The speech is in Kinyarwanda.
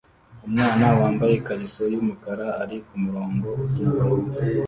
Umwana wambaye ikariso yumukara ari kumurongo utukura